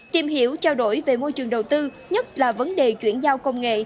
tìm hiểu trao đổi về môi trường đầu tư nhất là vấn đề chuyển giao công nghệ